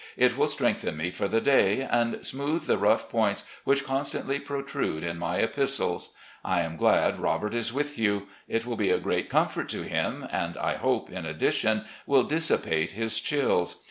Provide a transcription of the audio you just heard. It will strengthen me for the day, and smoothe the rough points which constantly protrude in my epistles. I am glad Robert is with you. It will be a great comfort to him, and I hope, in addition, will dissipate his chills.